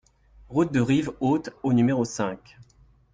Route de Rivehaute au numéro cinq